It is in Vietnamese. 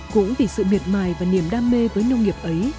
cũng vì sự miệt mài và niềm đam mê với nông nghiệp ấy